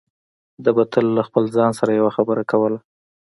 ده به تل له خپل ځان سره يوه خبره کوله.